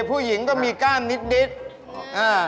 ผู้หญิงต้องมีกล้ามนิดอ่า